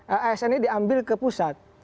asn ini diambil ke pusat